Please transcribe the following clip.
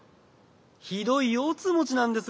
ひどいようつうもちなんです。